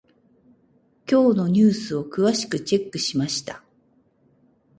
今日のニュースを詳しくチェックしました。